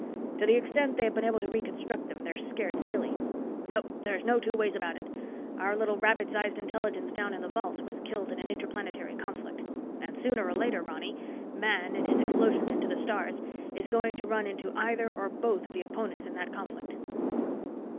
To the extent they have been able to reconstruct them, they're scared silly. No, there's no two ways about it, our little rabbit sized intelligence down in the vault was killed in an interplanetary conflict. And sooner or later, Ronny, man in his explosion into the stars is going to run into either or both of the opponents in that conflict."